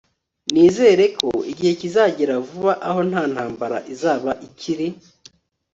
nizere ko igihe kizagera vuba aho nta ntambara izaba ikiri